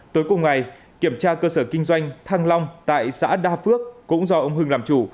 tối cùng ngày kiểm tra cơ sở kinh doanh thăng long tại xã đa phước cũng do ông hưng làm chủ